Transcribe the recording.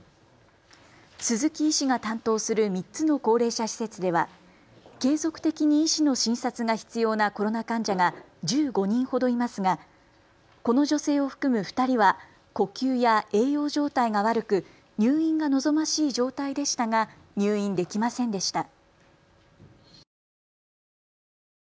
鈴木医師が担当する３つの高齢者施設では継続的に医師の診察が必要なコロナ患者が１５人ほどいますがこの女性を含む２人は呼吸や栄養状態が悪く、入院が望ましい状態でしたが入院できませんでした。